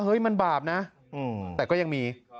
เฮ้ยมันบาปนะแต่ก็ยังมี